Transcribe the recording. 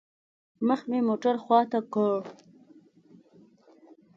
مخ مې موټر خوا ته كړ.